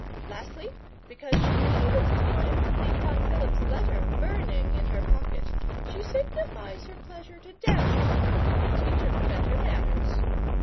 Lastly, because she needed time to think on Philip's letter burning in her pocket, she signifies her pleasure to dance with 'em and teach 'em better manners.